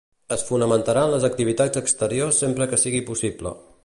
Es fomentaran les activitats exteriors sempre que sigui possible.